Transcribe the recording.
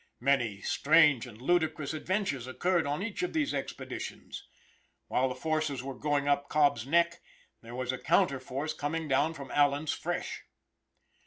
Many strange and ludicrous adventures occured on each of these expeditions. While the forces were going up Cobb's neck, there was a counter force coming down from Allen's Fresh.